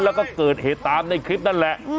แล้วก็เกิดเหตุตามในคลิปนั่นแหละ